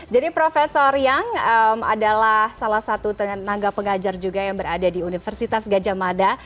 jadi prof yang adalah salah satu tenaga pengajar juga yang berada di universitas gajah mada